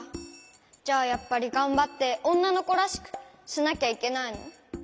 じゃあやっぱりがんばって「おんなのこらしく」しなきゃいけないの？